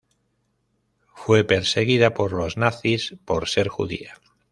Fue perseguida por los nazis por ser judía.